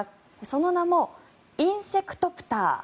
その名もインセクトプター。